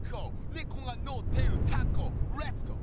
「ねこがのってるタコレッツゴー！」